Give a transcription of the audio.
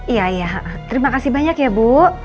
iya iya terima kasih banyak ya bu